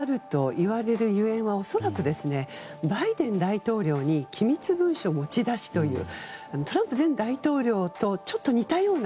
温度差があるといわれるゆえんは恐らく、バイデン大統領に機密文書持ち出しというトランプ前大統領とちょっと似たような。